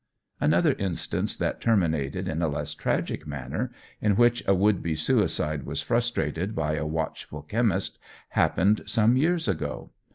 Another instance that terminated in a less tragic manner, in which a would be suicide was frustrated by a watchful chemist, happened some years ago.